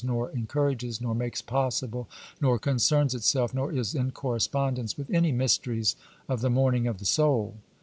Ivi BIOGRAPHICAL AND encourages, nor makes possible, nor concerns itself, nor is in correspondence with any mysteries of the morning of the soul.